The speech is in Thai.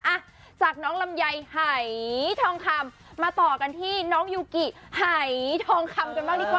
อ่ะจากน้องลำไยหายทองคำมาต่อกันที่น้องยูกิหายทองคำกันบ้างดีกว่า